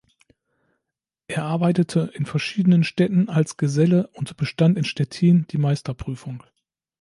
Er arbeitete in verschiedenen Städten als Geselle und bestand in Stettin die Meisterprüfung.